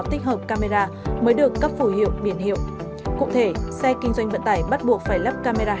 tích hợp camera mới được cấp phủ hiệu biển hiệu cụ thể xe kinh doanh vận tải bắt buộc phải lắp camera